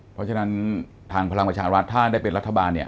เพราะฉะนั้นทางพลังประชารัฐถ้าได้เป็นรัฐบาลเนี่ย